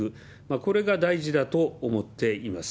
これが大事だと思っています。